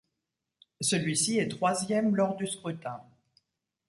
Celui-ci est troisième lors du scrutin.